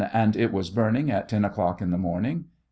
And it was burning at 10 o'clock in the morning?